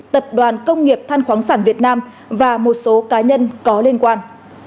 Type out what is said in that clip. tập đoàn công nghiệp than khoáng sản việt nam và một số cá nhân có liên quan